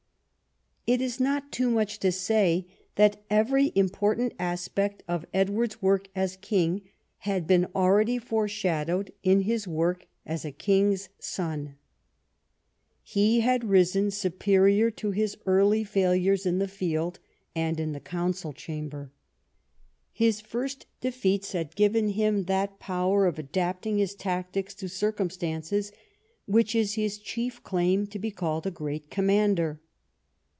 It is not too much to say that every important aspect of Edward's work as king had been already foreshadowed in his work as a king's son. He had risen superior to his early failures in the field and in the council chamber. His first defeats had given him that power of adapting his tactics to circumstances which is his chief claim to be called a great commander.